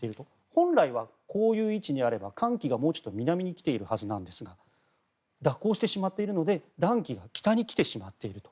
本来はこういう位置にあれば寒気がもうちょっと南に来ているはずなんですが蛇行してしまっているので暖気が北に来てしまっていると。